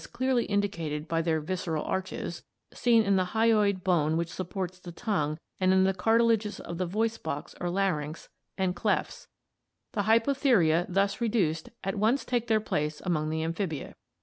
. clearly indicated by their visceral arches [seen in the hyoid bone which supports the tongue and in the cartilages of the voice box or larynx] and clefts, ... the Hypotheria, thus reduced, at once take their place among the Amphibia.